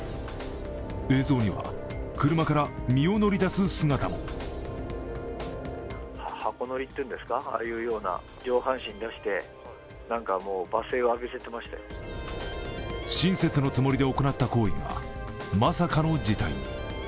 映像には、車から身を乗り出す姿も親切のつもりで行った行為がまさかの事態に。